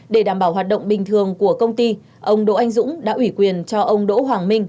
để đảm bảo hoạt động bình thường của công ty ông đỗ anh dũng đã ủy quyền cho ông đỗ hoàng minh